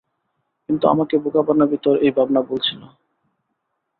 কিন্তু আমাকে বোকা বানাবি তোর এই ভাবনা ভুল ছিল।